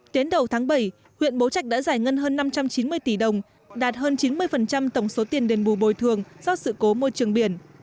đến đầu tháng bảy huyện bố trạch đã giải ngân hơn năm trăm chín mươi tỷ đồng đạt hơn chín mươi tổng số tiền đền bù bồi thường do sự cố môi trường biển